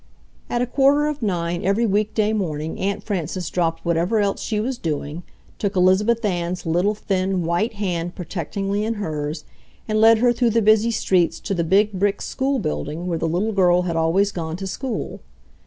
At a quarter of nine every weekday morning Aunt Frances dropped whatever else she was doing, took Elizabeth Ann's little, thin, white hand protectingly in hers, and led her through the busy streets to the big brick school building where the little girl had always gone to school.